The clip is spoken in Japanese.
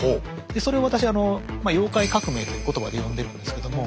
でそれを私「妖怪革命」という言葉で呼んでるんですけども。